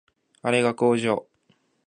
あれが工場